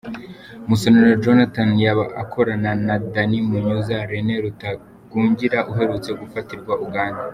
Musonera Jonathan yaba Akorana na Dan Munyuza, René Rutagungira uherutse gufatirwa Uganda?